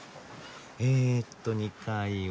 えっと２階は。